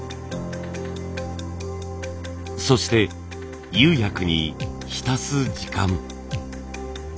そして釉薬に浸す時間。